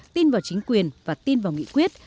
tin vào chính quyền và tin vào nghị quyết